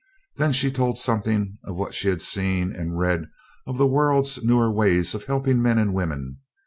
Then she told something of what she had seen and read of the world's newer ways of helping men and women.